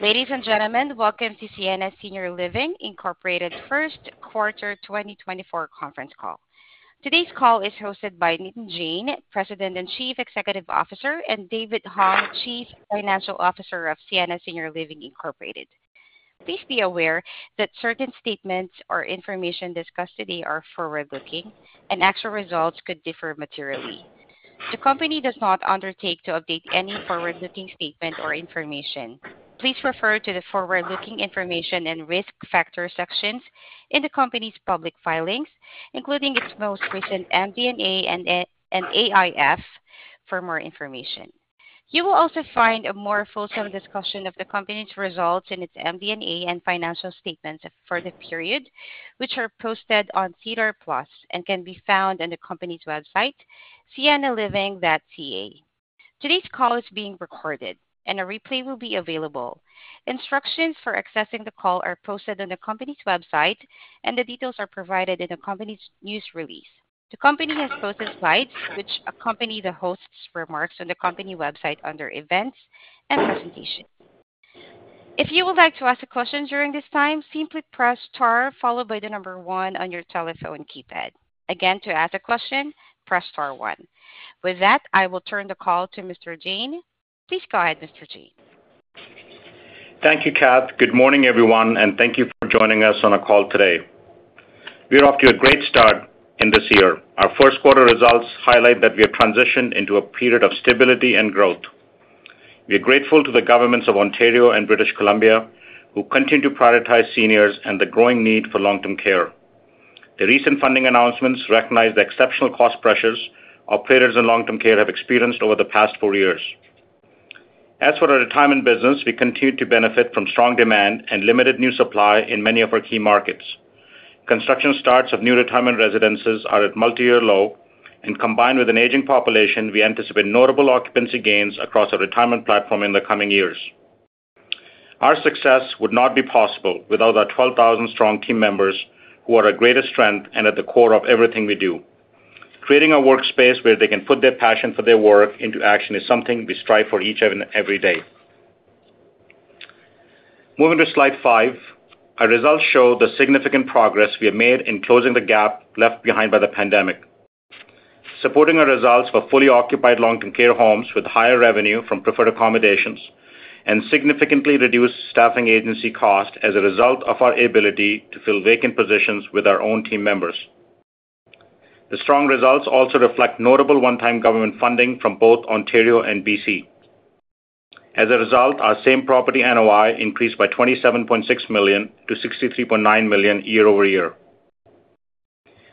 Ladies and gentlemen, welcome to Sienna Senior Living Incorporated's first quarter 2024 conference call. Today's call is hosted by Nitin Jain, President and Chief Executive Officer, and David Hung, Chief Financial Officer of Sienna Senior Living Incorporated. Please be aware that certain statements or information discussed today are forward-looking, and actual results could differ materially. The company does not undertake to update any forward-looking statement or information. Please refer to the forward-looking information and risk factor sections in the company's public filings, including its most recent MD&A and AIF, for more information. You will also find a more fulsome discussion of the company's results in its MD&A and financial statements for the period, which are posted on SEDAR+ and can be found on the company's website, siennaliving.ca. Today's call is being recorded, and a replay will be available. Instructions for accessing the call are posted on the company's website, and the details are provided in the company's news release. The company has posted slides which accompany the host's remarks on the company website under Events and Presentations. If you would like to ask a question during this time, simply press star followed by the number one on your telephone keypad. Again, to ask a question, press star one. With that, I will turn the call to Mr. Jain. Please go ahead, Mr. Jain. Thank you, Kat. Good morning, everyone, and thank you for joining us on a call today. We are off to a great start in this year. Our first quarter results highlight that we have transitioned into a period of stability and growth. We are grateful to the governments of Ontario and British Columbia who continue to prioritize seniors and the growing need for long-term care. The recent funding announcements recognize the exceptional cost pressures operators in long-term care have experienced over the past four years. As for our retirement business, we continue to benefit from strong demand and limited new supply in many of our key markets. Construction starts of new retirement residences are at multi-year low, and combined with an aging population, we anticipate notable occupancy gains across our retirement platform in the coming years. Our success would not be possible without our 12,000-strong team members who are our greatest strength and at the core of everything we do. Creating a workspace where they can put their passion for their work into action is something we strive for each and every day. Moving to slide 5, our results show the significant progress we have made in closing the gap left behind by the pandemic, supporting our results for fully occupied long-term care homes with higher revenue from preferred accommodations, and significantly reduced staffing agency costs as a result of our ability to fill vacant positions with our own team members. The strong results also reflect notable one-time government funding from both Ontario and BC. As a result, our same property NOI increased by 27.6 million to 63.9 million year-over-year.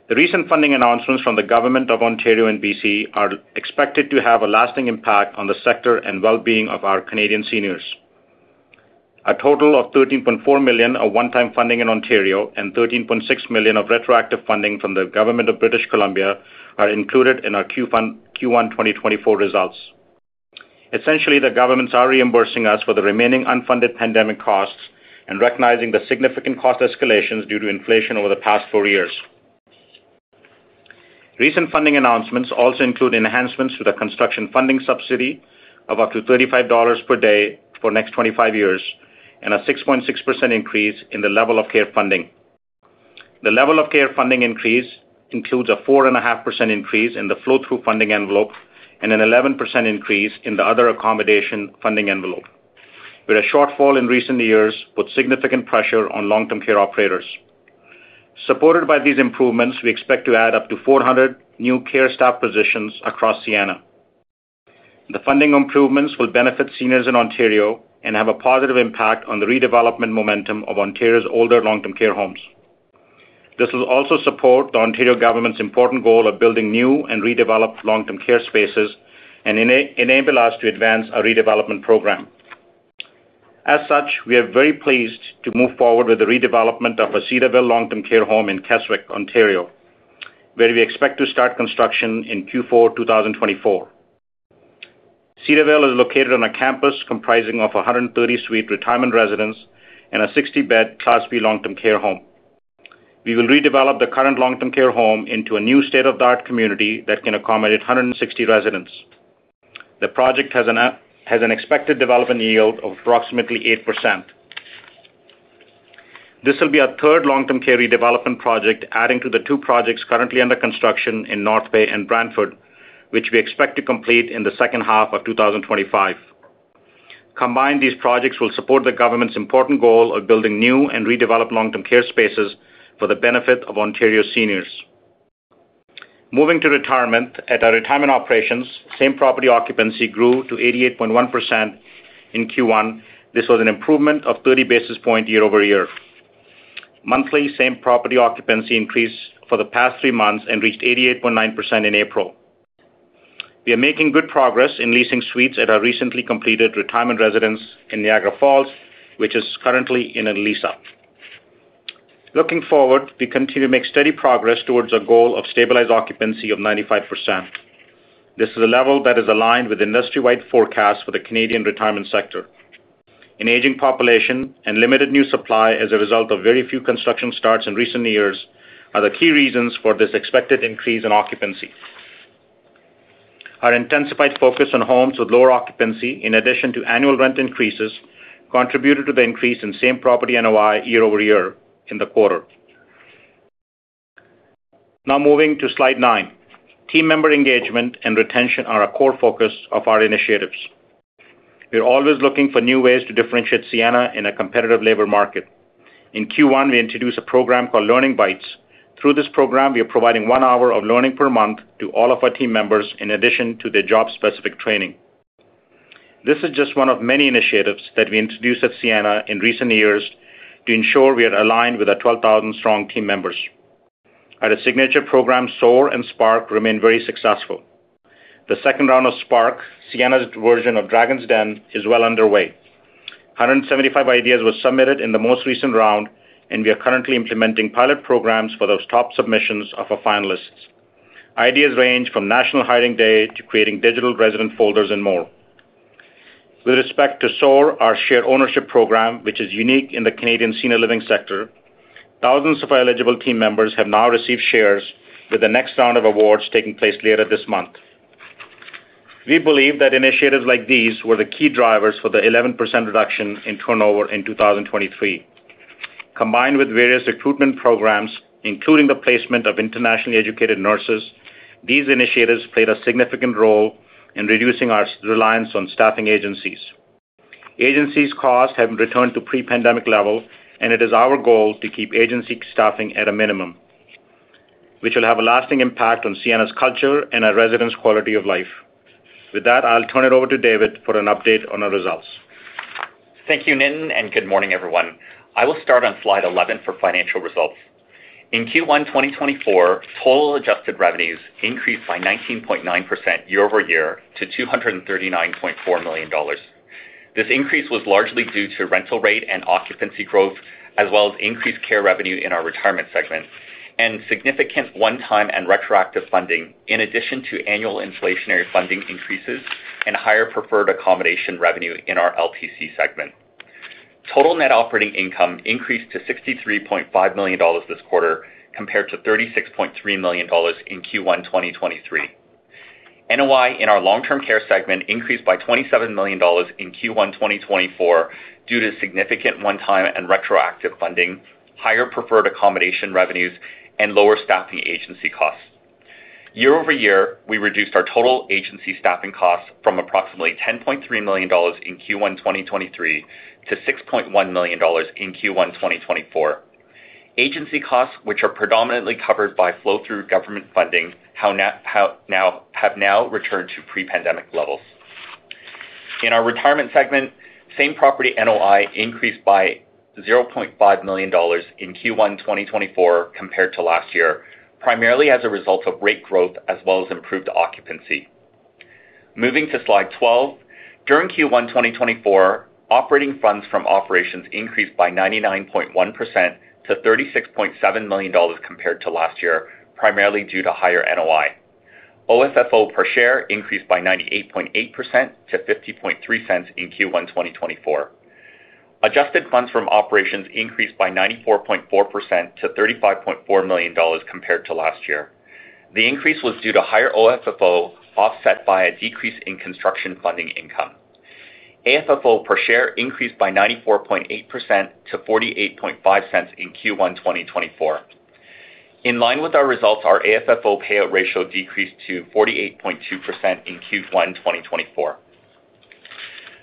The recent funding announcements from the Government of Ontario and British Columbia are expected to have a lasting impact on the sector and well-being of our Canadian seniors. A total of 13.4 million of one-time funding in Ontario and 13.6 million of retroactive funding from the Government of British Columbia are included in our Q1 2024 results. Essentially, the governments are reimbursing us for the remaining unfunded pandemic costs and recognizing the significant cost escalations due to inflation over the past four years. Recent funding announcements also include enhancements to the construction funding subsidy of up to 35 dollars per day for the next 25 years and a 6.6% increase in the Level of Care Funding. The level of care funding increase includes a 4.5% increase in the flow-through funding envelope and an 11% increase in the other accommodation funding envelope, where a shortfall in recent years put significant pressure on long-term care operators. Supported by these improvements, we expect to add up to 400 new care staff positions across Sienna. The funding improvements will benefit seniors in Ontario and have a positive impact on the redevelopment momentum of Ontario's older long-term care homes. This will also support the Ontario government's important goal of building new and redeveloped long-term care spaces and enable us to advance our redevelopment program. As such, we are very pleased to move forward with the redevelopment of a Cedarvale long-term care home in Keswick, Ontario, where we expect to start construction in Q4 2024. Cedarvale is located on a campus comprising of a 130-suite retirement residence and a 60-bed Class B long-term care home. We will redevelop the current long-term care home into a new state-of-the-art community that can accommodate 160 residents. The project has an expected development yield of approximately 8%. This will be our third long-term care redevelopment project, adding to the 2 projects currently under construction in North Bay and Brantford, which we expect to complete in the second half of 2025. Combined, these projects will support the government's important goal of building new and redeveloped long-term care spaces for the benefit of Ontario seniors. Moving to retirement, at our retirement operations, same property occupancy grew to 88.1% in Q1. This was an improvement of 30 basis points year-over-year. Monthly, same property occupancy increased for the past 3 months and reached 88.9% in April. We are making good progress in leasing suites at our recently completed retirement residence in Niagara Falls, which is currently in a lease-up. Looking forward, we continue to make steady progress towards our goal of stabilized occupancy of 95%. This is a level that is aligned with industry-wide forecasts for the Canadian retirement sector. An aging population and limited new supply as a result of very few construction starts in recent years are the key reasons for this expected increase in occupancy. Our intensified focus on homes with lower occupancy, in addition to annual rent increases, contributed to the increase in same property NOI year-over-year in the quarter. Now moving to slide 9. Team member engagement and retention are a core focus of our initiatives. We are always looking for new ways to differentiate Sienna in a competitive labor market. In Q1, we introduce a program called Learning Bites. Through this program, we are providing one hour of learning per month to all of our team members, in addition to their job-specific training. This is just one of many initiatives that we introduced at Sienna in recent years to ensure we are aligned with our 12,000-strong team members. Our signature program, Soar and Spark, remain very successful. The second round of Spark, Sienna's version of Dragons' Den, is well underway. 175 ideas were submitted in the most recent round, and we are currently implementing pilot programs for those top submissions of our finalists. Ideas range from national hiring day to creating digital resident folders and more. With respect to Soar, our share ownership program, which is unique in the Canadian senior living sector, thousands of our eligible team members have now received shares with the next round of awards taking place later this month. We believe that initiatives like these were the key drivers for the 11% reduction in turnover in 2023. Combined with various recruitment programs, including the placement of internationally educated nurses, these initiatives played a significant role in reducing our reliance on staffing agencies. Agencies' costs have returned to pre-pandemic level, and it is our goal to keep agency staffing at a minimum, which will have a lasting impact on Sienna's culture and our residents' quality of life. With that, I'll turn it over to David for an update on our results. Thank you, Nitin, and good morning, everyone. I will start on slide 11 for financial results. In Q1 2024, total adjusted revenues increased by 19.9% year over year to 239.4 million dollars. This increase was largely due to rental rate and occupancy growth, as well as increased care revenue in our retirement segment and significant one-time and retroactive funding, in addition to annual inflationary funding increases and higher preferred accommodation revenue in our LTC segment. Total net operating income increased to 63.5 million dollars this quarter compared to 36.3 million dollars in Q1 2023. NOI in our long-term care segment increased by 27 million dollars in Q1 2024 due to significant one-time and retroactive funding, higher preferred accommodation revenues, and lower staffing agency costs. Year over year, we reduced our total agency staffing costs from approximately 10.3 million dollars in Q1 2023 to 6.1 million dollars in Q1 2024. Agency costs, which are predominantly covered by flow-through government funding, have now returned to pre-pandemic levels. In our retirement segment, same property NOI increased by 0.5 million dollars in Q1 2024 compared to last year, primarily as a result of rate growth as well as improved occupancy. Moving to slide 12. During Q1 2024, operating funds from operations increased by 99.1% to 36.7 million dollars compared to last year, primarily due to higher NOI. OFFO per share increased by 98.8% to 0.503 in Q1 2024. Adjusted funds from operations increased by 94.4% to 35.4 million dollars compared to last year. The increase was due to higher OFFO offset by a decrease in construction funding income. AFFO per share increased by 94.8% to 0.485 in Q1 2024. In line with our results, our AFFO payout ratio decreased to 48.2% in Q1 2024.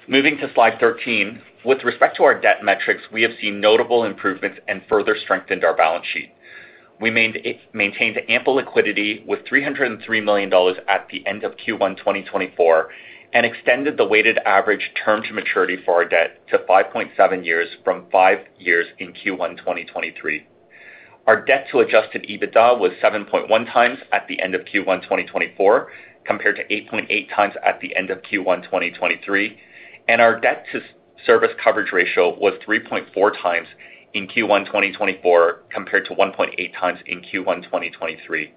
Moving to slide 13. With respect to our debt metrics, we have seen notable improvements and further strengthened our balance sheet. We maintained ample liquidity with 303 million dollars at the end of Q1 2024 and extended the weighted average term to maturity for our debt to 5.7 years from 5 years in Q1 2023. Our debt to Adjusted EBITDA was 7.1x at the end of Q1 2024 compared to 8.8x at the end of Q1 2023, and our debt-to-service coverage ratio was 3.4x in Q1 2024 compared to 1.8x in Q1 2023.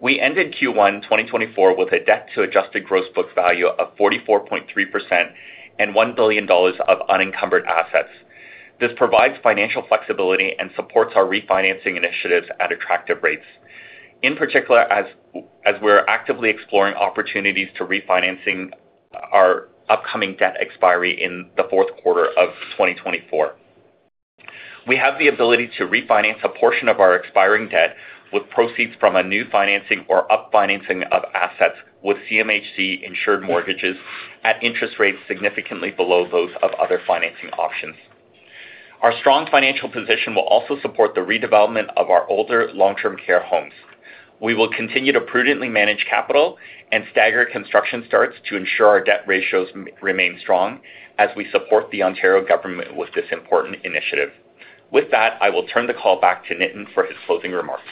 We ended Q1 2024 with a debt-to-adjusted gross book value of 44.3% and 1 billion dollars of unencumbered assets. This provides financial flexibility and supports our refinancing initiatives at attractive rates, in particular as we're actively exploring opportunities to refinancing our upcoming debt expiry in the fourth quarter of 2024. We have the ability to refinance a portion of our expiring debt with proceeds from a new financing or upfinancing of assets with CMHC-insured mortgages at interest rates significantly below those of other financing options. Our strong financial position will also support the redevelopment of our older long-term care homes. We will continue to prudently manage capital and stagger construction starts to ensure our debt ratios remain strong as we support the Ontario government with this important initiative. With that, I will turn the call back to Nitin for his closing remarks.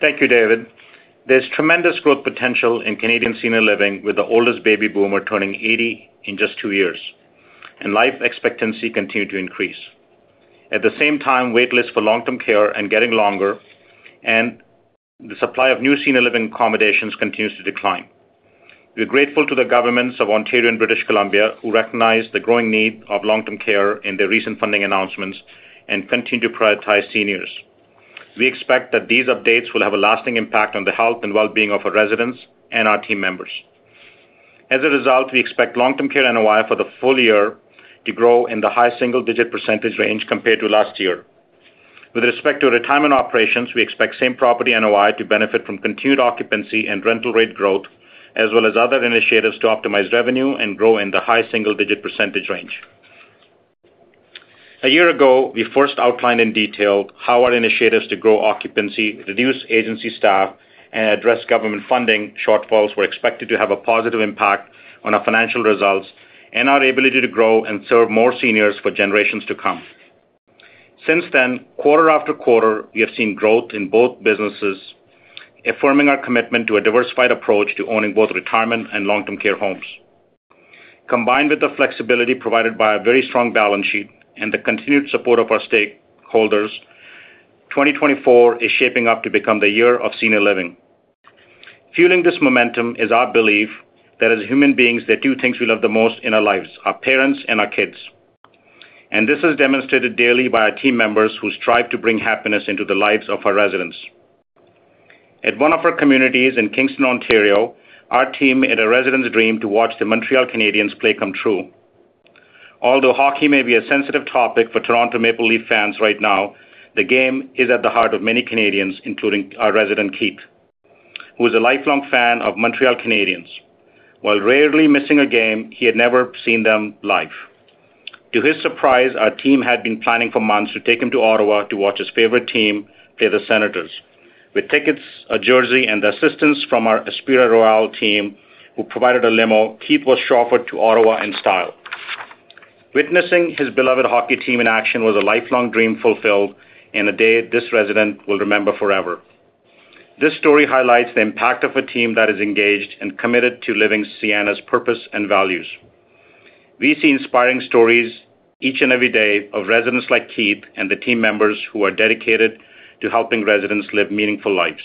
Thank you, David. There's tremendous growth potential in Canadian senior living, with the oldest baby boomer turning 80 in just two years, and life expectancy continuing to increase. At the same time, waitlist for long-term care is getting longer, and the supply of new senior living accommodations continues to decline. We're grateful to the governments of Ontario and British Columbia who recognize the growing need of long-term care in their recent funding announcements and continue to prioritize seniors. We expect that these updates will have a lasting impact on the health and well-being of our residents and our team members. As a result, we expect long-term care NOI for the full year to grow in the high single-digit % range compared to last year. With respect to retirement operations, we expect same property NOI to benefit from continued occupancy and rental rate growth, as well as other initiatives to optimize revenue and grow in the high single-digit % range. A year ago, we first outlined in detail how our initiatives to grow occupancy, reduce agency staff, and address government funding shortfalls were expected to have a positive impact on our financial results and our ability to grow and serve more seniors for generations to come. Since then, quarter after quarter, we have seen growth in both businesses, affirming our commitment to a diversified approach to owning both retirement and long-term care homes. Combined with the flexibility provided by a very strong balance sheet and the continued support of our stakeholders, 2024 is shaping up to become the year of senior living. Fueling this momentum is our belief that, as human beings, there are two things we love the most in our lives: our parents and our kids. This is demonstrated daily by our team members who strive to bring happiness into the lives of our residents. At one of our communities in Kingston, Ontario, our team had a resident's dream to watch the Montreal Canadiens play come true. Although hockey may be a sensitive topic for Toronto Maple Leaf fans right now, the game is at the heart of many Canadians, including our resident Keith, who is a lifelong fan of Montreal Canadiens. While rarely missing a game, he had never seen them live. To his surprise, our team had been planning for months to take him to Ottawa to watch his favorite team play the Senators. With tickets, a jersey, and the assistance from our Aspira Royal team who provided a limo, Keith was shuffled to Ottawa in style. Witnessing his beloved hockey team in action was a lifelong dream fulfilled in a day this resident will remember forever. This story highlights the impact of a team that is engaged and committed to living Sienna's purpose and values. We see inspiring stories each and every day of residents like Keith and the team members who are dedicated to helping residents live meaningful lives.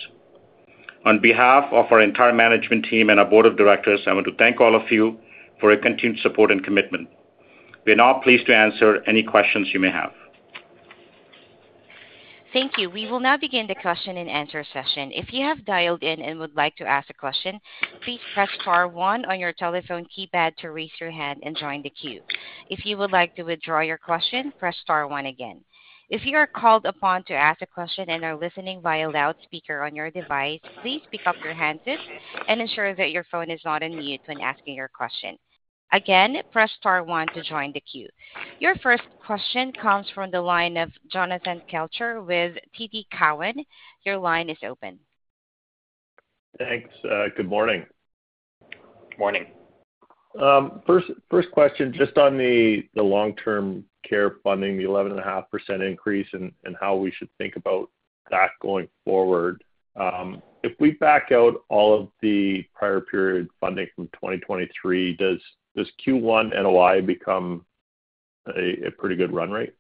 On behalf of our entire management team and our board of directors, I want to thank all of you for your continued support and commitment. We are now pleased to answer any questions you may have. Thank you. We will now begin the question and answer session. If you have dialed in and would like to ask a question, please press star one on your telephone keypad to raise your hand and join the queue. If you would like to withdraw your question, press star one again. If you are called upon to ask a question and are listening via loudspeaker on your device, please pick up your hands and ensure that your phone is not on mute when asking your question. Again, press star one to join the queue. Your first question comes from the line of Jonathan Kelcher with TD Cowen. Your line is open. Thanks. Good morning. Morning. First question, just on the long-term care funding, the 11.5% increase and how we should think about that going forward. If we back out all of the prior period funding from 2023, does Q1 NOI become a pretty good run rate?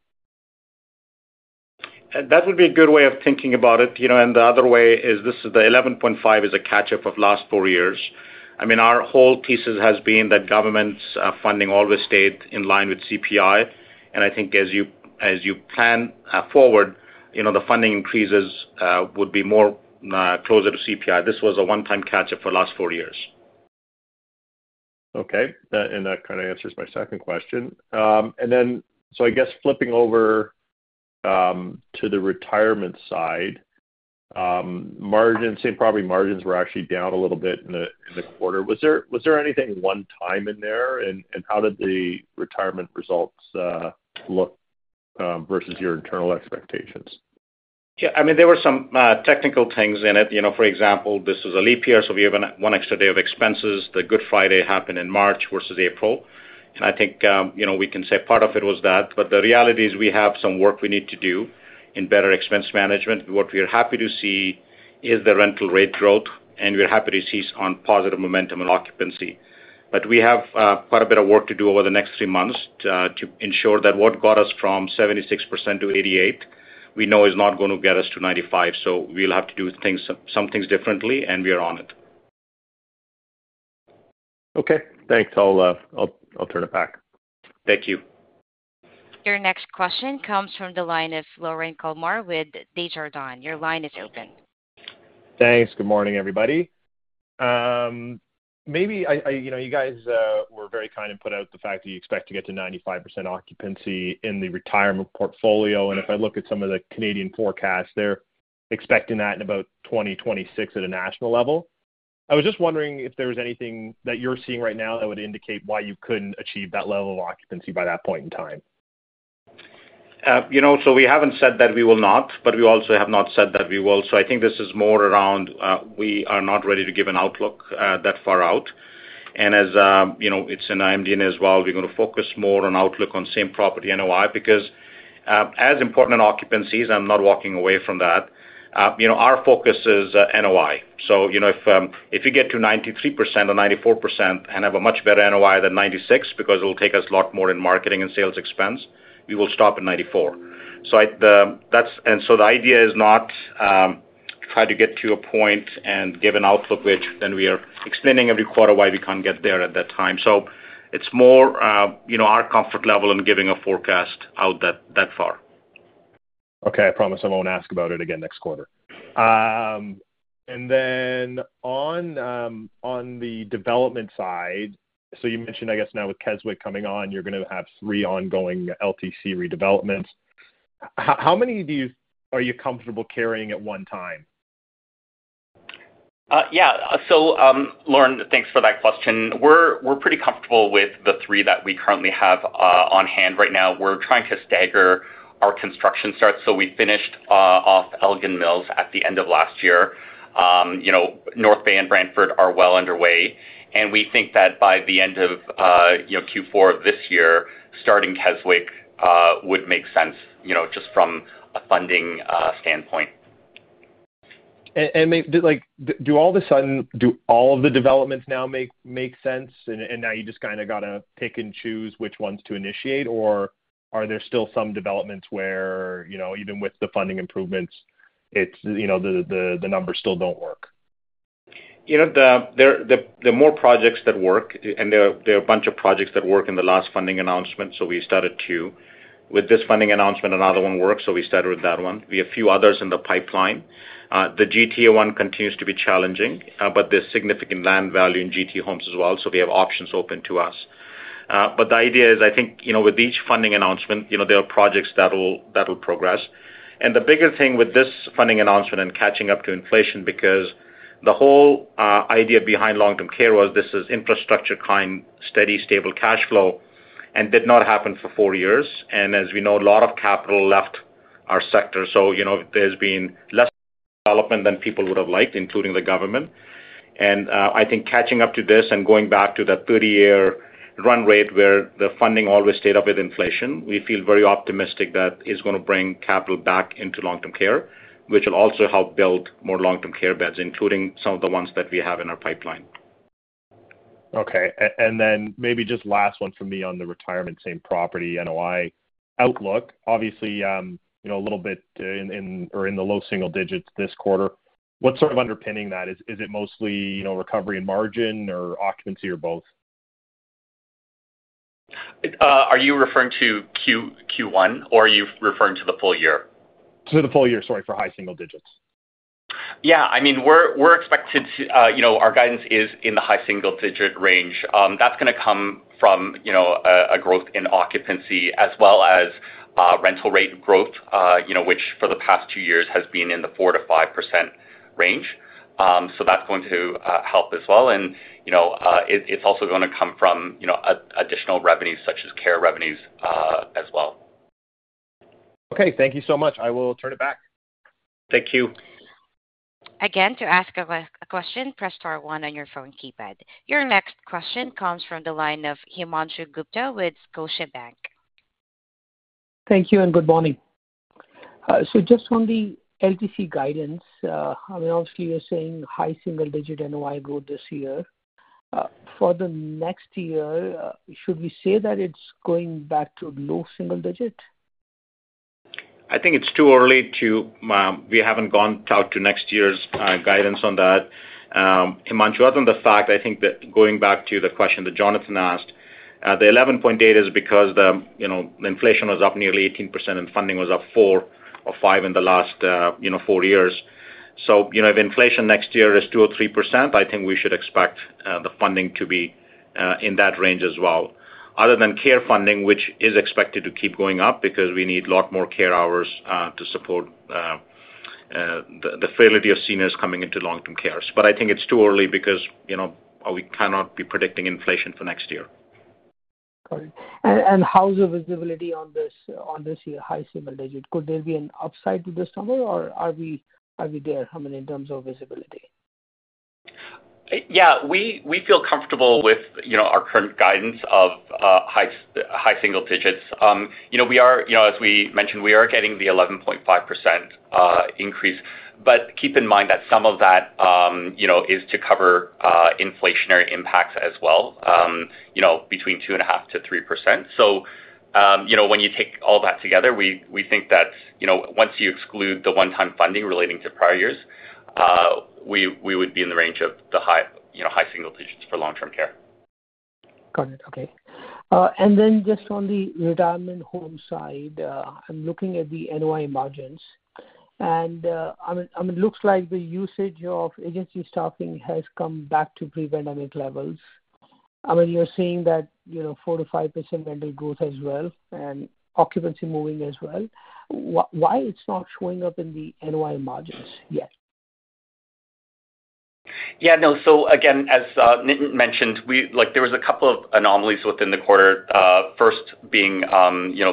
That would be a good way of thinking about it. The other way is this is the 11.5 is a catch-up of last four years. I mean, our whole thesis has been that government funding always stayed in line with CPI. I think as you plan forward, the funding increases would be more closer to CPI. This was a one-time catch-up for last four years. Okay. And that kind of answers my second question. And then so I guess flipping over to the retirement side, probably margins were actually down a little bit in the quarter. Was there anything one-time in there, and how did the retirement results look versus your internal expectations? Yeah. I mean, there were some technical things in it. For example, this was a leap year, so we have one extra day of expenses. The Good Friday happened in March versus April. And I think we can say part of it was that. But the reality is we have some work we need to do in better expense management. What we are happy to see is the rental rate growth, and we're happy to see it's on positive momentum in occupancy. But we have quite a bit of work to do over the next three months to ensure that what got us from 76%-88% we know is not going to get us to 95%. So we'll have to do some things differently, and we are on it. Okay. Thanks. I'll turn it back. Thank you. Your next question comes from the line of Lorne Kalmar with Desjardins. Your line is open. Thanks. Good morning, everybody. Maybe you guys were very kind and put out the fact that you expect to get to 95% occupancy in the retirement portfolio. And if I look at some of the Canadian forecasts, they're expecting that in about 2026 at a national level. I was just wondering if there was anything that you're seeing right now that would indicate why you couldn't achieve that level of occupancy by that point in time. So we haven't said that we will not, but we also have not said that we will. So I think this is more around we are not ready to give an outlook that far out. And as it's in MD&A as well, we're going to focus more on outlook on same property NOI because as important as occupancies, I'm not walking away from that. Our focus is NOI. If you get to 93% or 94% and have a much better NOI than 96% because it'll take us a lot more in marketing and sales expense, we will stop at 94%. So the idea is not to try to get to a point and give an outlook, which then we are explaining every quarter why we can't get there at that time. It's more our comfort level in giving a forecast out that far. Okay. I promise I won't ask about it again next quarter. And then on the development side, so you mentioned, I guess, now with Keswick coming on, you're going to have three ongoing LTC redevelopments. How many are you comfortable carrying at one time? Yeah. So, Lorne, thanks for that question. We're pretty comfortable with the three that we currently have on hand right now. We're trying to stagger our construction starts. So we finished off Elgin Mills at the end of last year. North Bay and Brantford are well underway. And we think that by the end of Q4 of this year, starting Keswick would make sense just from a funding standpoint. And all of a sudden, do all of the developments now make sense, and now you just kind of got to pick and choose which ones to initiate, or are there still some developments where, even with the funding improvements, the numbers still don't work? The more projects that work, and there are a bunch of projects that work in the last funding announcement, so we started two. With this funding announcement, another one worked, so we started with that one. We have a few others in the pipeline. The GTA one continues to be challenging, but there's significant land value in GTA homes as well, so we have options open to us. But the idea is, I think, with each funding announcement, there are projects that will progress. And the bigger thing with this funding announcement and catching up to inflation because the whole idea behind long-term care was this is infrastructure-kind, steady, stable cash flow, and did not happen for four years. And as we know, a lot of capital left our sector. So there's been less development than people would have liked, including the government. I think catching up to this and going back to that 30-year run rate where the funding always stayed up with inflation, we feel very optimistic that it's going to bring capital back into long-term care, which will also help build more long-term care beds, including some of the ones that we have in our pipeline. Okay. And then maybe just last one from me on the retirement same property NOI outlook. Obviously, a little bit in the low single digits this quarter. What's sort of underpinning that? Is it mostly recovery and margin or occupancy or both? Are you referring to Q1, or are you referring to the full year? To the full year, sorry, for high single digits. Yeah. I mean, we're expected to our guidance is in the high single digit range. That's going to come from a growth in occupancy as well as rental rate growth, which for the past two years has been in the 4%-5% range. So that's going to help as well. And it's also going to come from additional revenues such as care revenues as well. Okay. Thank you so much. I will turn it back. Thank you. Again, to ask a question, press star one on your phone keypad. Your next question comes from the line of Himanshu Gupta with Scotiabank. Thank you and good morning. Just on the LTC guidance, I mean, obviously, you're saying high single digit NOI growth this year. For the next year, should we say that it's going back to low single digit? I think it's too early to we haven't gone out to next year's guidance on that. Himanshu, other than the fact, I think that going back to the question that Jonathan asked, the 11.8 is because the inflation was up nearly 18% and funding was up 4%-5% in the last four years. So if inflation next year is 2%-3%, I think we should expect the funding to be in that range as well, other than care funding, which is expected to keep going up because we need a lot more care hours to support the frailty of seniors coming into long-term care. But I think it's too early because we cannot be predicting inflation for next year. Got it. And how's the visibility on this year, high single digit? Could there be an upside to this number, or are we there? I mean, in terms of visibility. Yeah. We feel comfortable with our current guidance of high single digits. We are, as we mentioned, we are getting the 11.5% increase. But keep in mind that some of that is to cover inflationary impacts as well between 2.5%-3%. So when you take all that together, we think that once you exclude the one-time funding relating to prior years, we would be in the range of the high single digits for long-term care. Got it. Okay. And then just on the retirement home side, I'm looking at the NOI margins. And I mean, it looks like the usage of agency staffing has come back to pre-pandemic levels. I mean, you're seeing that 4%-5% rental growth as well and occupancy moving as well. Why is it not showing up in the NOI margins yet? Yeah. No. So again, as Nitin mentioned, there was a couple of anomalies within the quarter, first being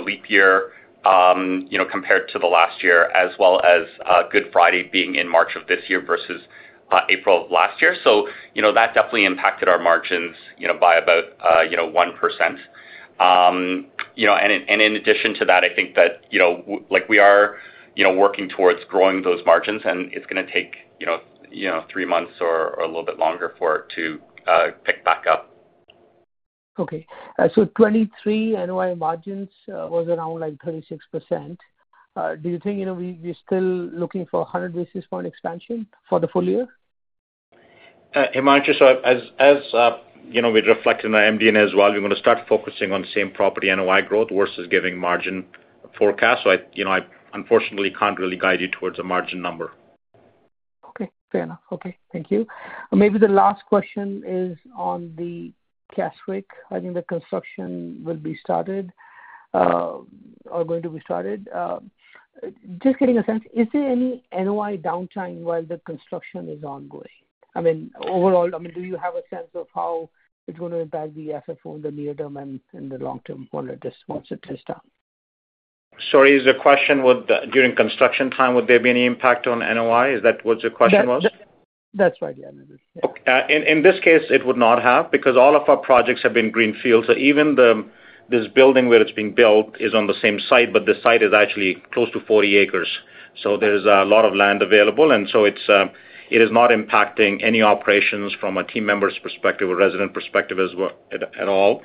leap year compared to the last year as well as Good Friday being in March of this year versus April of last year. So that definitely impacted our margins by about 1%. And in addition to that, I think that we are working towards growing those margins, and it's going to take three months or a little bit longer for it to pick back up. Okay. So 2023 NOI margins was around 36%. Do you think we're still looking for 100 basis point expansion for the full year? Himanshu, so as we reflect in MD&A as well, we're going to start focusing on same property NOI growth versus giving margin forecasts. So I, unfortunately, can't really guide you towards a margin number. Okay. Fair enough. Okay. Thank you. Maybe the last question is on the Keswick. I think the construction will be started or going to be started. Just getting a sense, is there any NOI downtime while the construction is ongoing? I mean, overall, I mean, do you have a sense of how it's going to impact the FFO in the near term and in the long term once it is done? Sorry. Is the question, during construction time, would there be any impact on NOI? Is that what the question was? That's right. Yeah. In this case, it would not have because all of our projects have been greenfield. So even this building where it's being built is on the same site, but the site is actually close to 40 acres. So there's a lot of land available. And so it is not impacting any operations from a team member's perspective or resident perspective at all.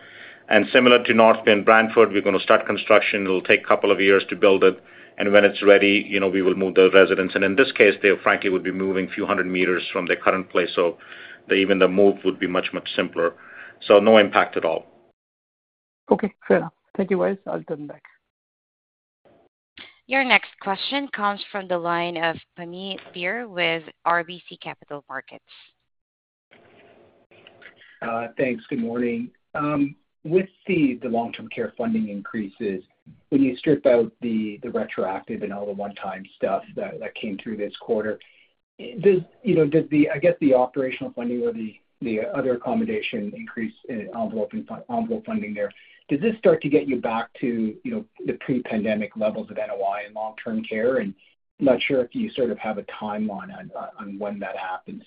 And similar to North Bay and Brantford, we're going to start construction. It'll take a couple of years to build it. And when it's ready, we will move the residents. And in this case, they, frankly, would be moving a few hundred meters from their current place. So even the move would be much, much simpler. So no impact at all. Okay. Fair enough. Thank you, guys. I'll turn it back. Your next question comes from the line of Pammi Bir with RBC Capital Markets. Thanks. Good morning. With the long-term care funding increases, when you strip out the retroactive and all the one-time stuff that came through this quarter, does the, I guess, the operational funding or the other accommodation increase envelope funding there, does this start to get you back to the pre-pandemic levels of NOI and long-term care? And I'm not sure if you sort of have a timeline on when that happened.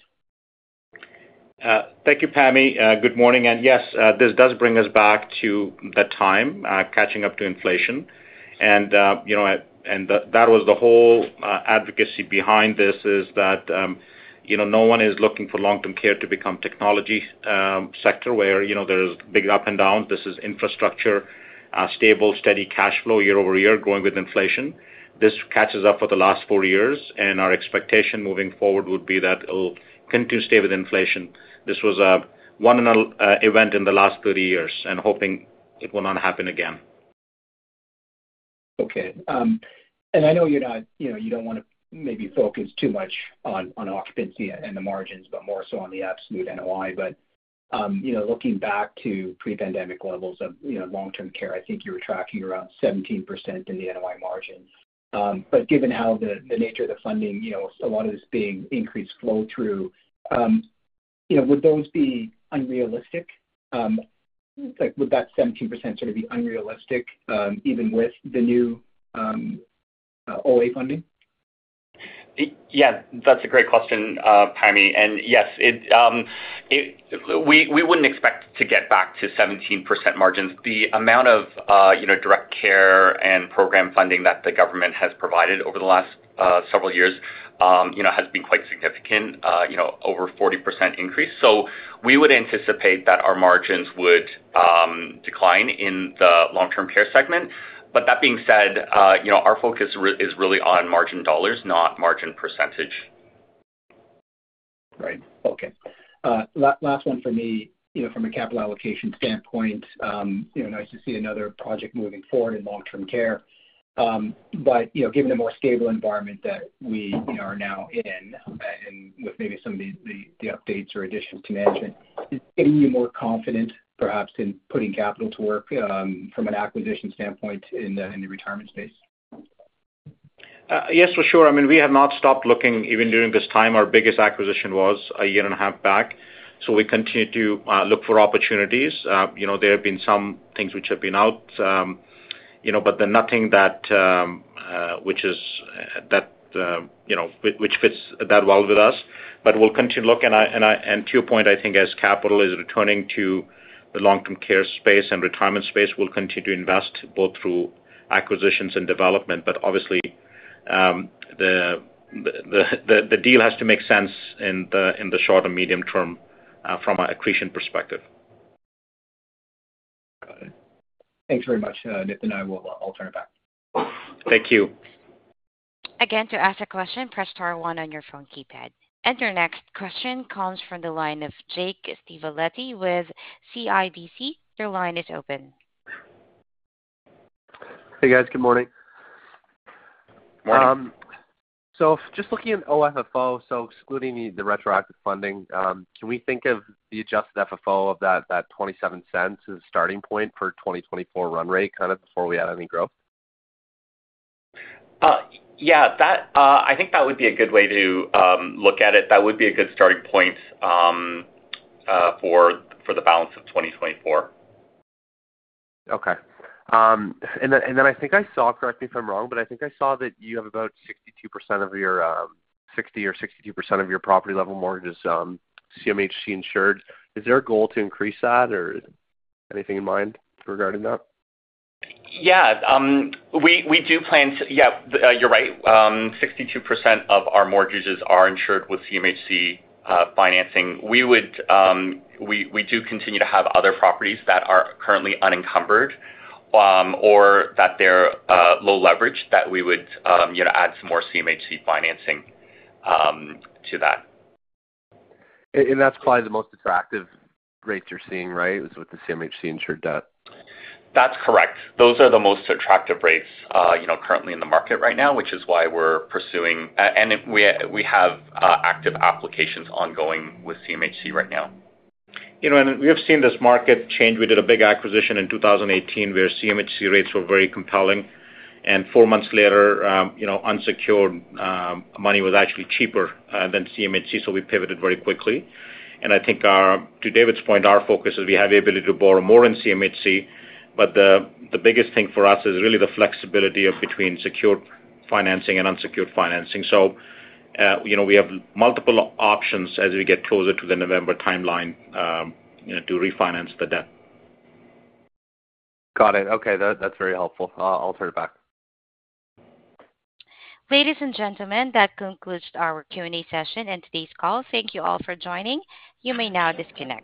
Thank you, Pammi. Good morning. Yes, this does bring us back to that time, catching up to inflation. That was the whole advocacy behind this, is that no one is looking for long-term care to become technology sector where there's big up and downs. This is infrastructure, stable, steady cash flow year-over-year growing with inflation. This catches up for the last four years. Our expectation moving forward would be that it'll continue to stay with inflation. This was one event in the last 30 years, and hoping it will not happen again. Okay. And I know you don't want to maybe focus too much on occupancy and the margins, but more so on the absolute NOI. But looking back to pre-pandemic levels of long-term care, I think you were tracking around 17% in the NOI margin. But given how the nature of the funding, a lot of this being increased flow-through, would those be unrealistic? Would that 17% sort of be unrealistic even with the new OA funding? Yeah. That's a great question, Pammi. And yes, we wouldn't expect to get back to 17% margins. The amount of direct care and program funding that the government has provided over the last several years has been quite significant, over 40% increase. So we would anticipate that our margins would decline in the long-term care segment. But that being said, our focus is really on margin dollars, not margin percentage. Right. Okay. Last one for me, from a capital allocation standpoint, nice to see another project moving forward in long-term care. But given a more stable environment that we are now in and with maybe some of the updates or additions to management, is it giving you more confidence, perhaps, in putting capital to work from an acquisition standpoint in the retirement space? Yes, for sure. I mean, we have not stopped looking. Even during this time, our biggest acquisition was a year and a half back. So we continue to look for opportunities. There have been some things which have been out, but then nothing that which fits that well with us. But we'll continue to look. And to your point, I think as capital is returning to the long-term care space and retirement space, we'll continue to invest both through acquisitions and development. But obviously, the deal has to make sense in the short and medium term from an accretion perspective. Got it. Thanks very much, Nitin. I'll turn it back. Thank you. Again, to ask a question, press star one on your phone keypad. Your next question comes from the line of Jake Stivaletti with CIBC. Your line is open. Hey, guys. Good morning. Good morning. So just looking at OFFO, so excluding the retroactive funding, can we think of the adjusted FFO of that 0.27 as a starting point for 2024 run rate, kind of before we add any growth? Yeah. I think that would be a good way to look at it. That would be a good starting point for the balance of 2024. Okay. And then I think I saw, correct me if I'm wrong, but I think I saw that you have about 62% of your 60 or 62% of your property-level mortgages CMHC insured. Is there a goal to increase that, or anything in mind regarding that? Yeah. We do plan to yeah, you're right. 62% of our mortgages are insured with CMHC financing. We do continue to have other properties that are currently unencumbered or that they're low leverage that we would add some more CMHC financing to that. That's probably the most attractive rates you're seeing, right, is with the CMHC insured debt? That's correct. Those are the most attractive rates currently in the market right now, which is why we're pursuing and we have active applications ongoing with CMHC right now. We have seen this market change. We did a big acquisition in 2018 where CMHC rates were very compelling. Four months later, unsecured money was actually cheaper than CMHC, so we pivoted very quickly. I think, to David's point, our focus is we have the ability to borrow more in CMHC. The biggest thing for us is really the flexibility between secured financing and unsecured financing. We have multiple options as we get closer to the November timeline to refinance the debt. Got it. Okay. That's very helpful. I'll turn it back. Ladies and gentlemen, that concludes our Q&A session and today's call. Thank you all for joining. You may now disconnect.